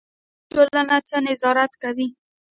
مدني ټولنه څه نظارت کوي؟